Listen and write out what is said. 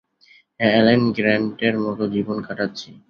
হ্যাঁ, অ্যালান গ্র্যান্টের মতো জীবন কাটাচ্ছি।